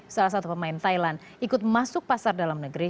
salah satu pemain thailand ikut masuk pasar dalam negeri